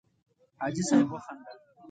حاجي صیب وخندل.